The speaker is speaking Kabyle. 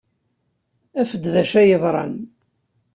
Af-d d acu ay yeḍran.